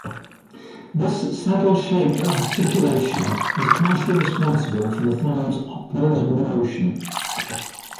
This saddle-shaped articulation is partially responsible for the thumb's opposable motion.